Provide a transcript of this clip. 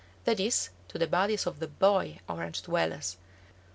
That is, to the bodies of the boy Orange dwellers.